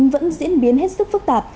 vẫn diễn biến hết sức phức tạp